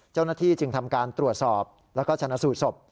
เจ้าหน้าที่จึงทำการตรวจสอบแล้วก็ชนะสูตรศพ